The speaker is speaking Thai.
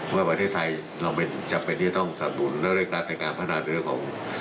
ว่าประเทศไทยเราเป็นจำเป็นที่ต้องสนับดุลและเรียกรัฐในการพันธ์นรับของ